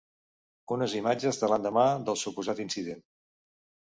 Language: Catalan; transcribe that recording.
Unes imatges de l’endemà del suposat incident.